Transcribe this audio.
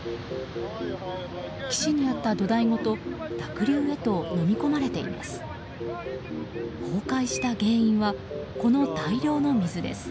岸にあった土台ごと濁流へと、のみ込まれています。